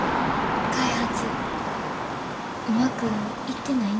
開発うまくいってないんですか？